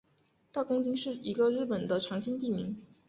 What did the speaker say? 大工町是一个日本的常见地名。